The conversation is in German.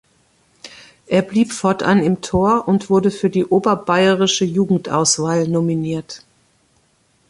Er blieb fortan im Tor und wurde für die oberbayerische Jugendauswahl nominiert.